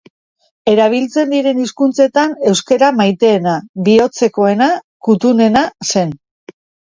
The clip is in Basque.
Erabiltzen diren hizkuntzetan euskara maiteena, bihotzekoena, kutunena zen.